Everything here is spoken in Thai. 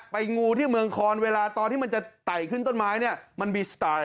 งูที่เมืองคอนเวลาตอนที่มันจะไต่ขึ้นต้นไม้เนี่ยมันมีสไตล์